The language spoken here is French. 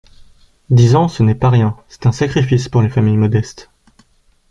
Dix ans, ce n’est pas rien, c’est un sacrifice pour les familles modestes.